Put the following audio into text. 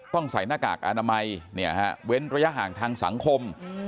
ใส่หน้ากากอนามัยเว้นระยะห่างทางสังคม